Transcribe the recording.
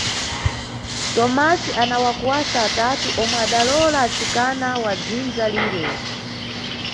Tomasi ana wakuwasa atatu omwe adalowola atsikana wa dzindza lire.